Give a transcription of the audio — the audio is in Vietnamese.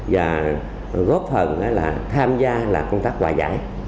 và góp phần tham gia công tác hòa giải